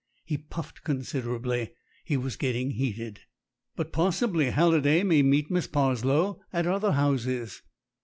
He puffed con siderably; he was getting heated. "But possibly Halliday may meet Miss Parslow at other houses."